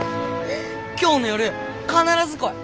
今日の夜必ず来い。